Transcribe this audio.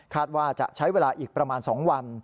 ว่าจะใช้เวลาอีกประมาณ๒วัน